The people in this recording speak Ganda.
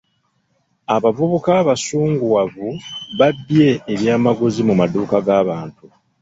Abavubuka abasunguwavu babbye ebyamaguzi mu maduuka g'abantu.